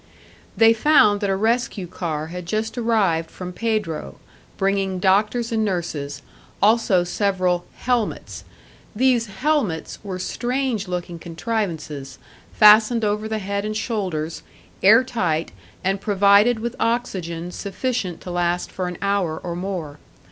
They found that a rescue car had just arrived from Pedro, bringing doctors and nurses, also several "helmets." These "helmets" were strange looking contrivances, fastened over the head and shoulders, air tight, and provided with oxygen sufficient to last for an hour or more.